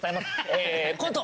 えコント